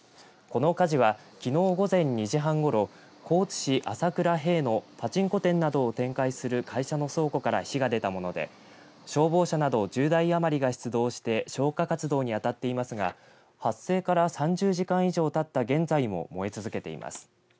この火事はきのう午前２時半ごろ、高知市朝倉丙のパチンコ店などを展開する会社の倉庫から火が出たもので消防車など１０台余りが出動して消火活動にあたっていますが発生から３０時間以上たった現在も燃え続けています。